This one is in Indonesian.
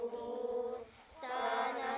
tanah tumpah daraku